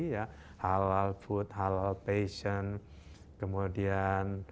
ya halal food halal passion kemudian